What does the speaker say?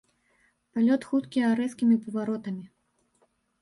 Палёт хуткі а рэзкімі паваротамі.